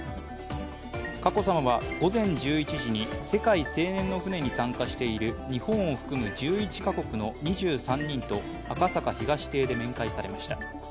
佳子さまは午前１１時に世界青年の船に参加している日本を含む１１か国の２３人と赤坂東邸で面会されました。